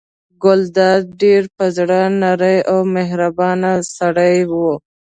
ګلداد ډېر په زړه نری او مهربان سړی و.